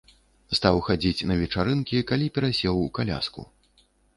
Стаў хадзіць на вечарынкі, калі перасеў у каляску.